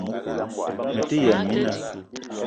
Mete yëm mina